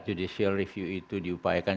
judicial review itu diupayakan